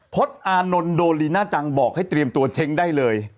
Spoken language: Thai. อานนท์โดลีน่าจังบอกให้เตรียมตัวเช้งได้เลย